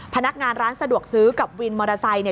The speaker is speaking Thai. พนักงานร้านสะดวกซื้อกับวินมอเตอร์ไซค์